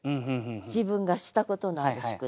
自分がしたことのある宿題。